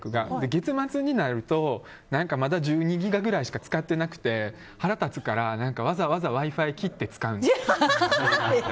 月末になるとまだ１２ギガくらいしか使ってなくて、腹立つからわざわざＷｉ‐Ｆｉを切って使う。